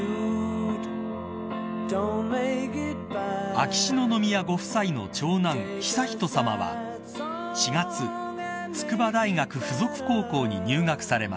［秋篠宮ご夫妻の長男悠仁さまは４月筑波大学附属高校に入学されました］